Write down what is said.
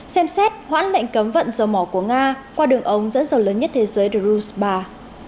xem xét hoãn lệnh cấm vận dầu mỏ của nga qua đường ống dẫn dầu lớn nhất thế giới drus ba